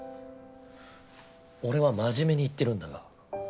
俺は真面目に言ってるんだが。